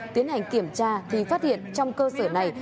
tiến hành kiểm tra thì phát hiện trong cơ sở này